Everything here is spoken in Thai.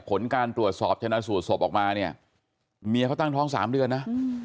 ผลการตรวจสอบชนะสูตรศพออกมาเนี่ยเมียเขาตั้งท้อง๓เดือนนะ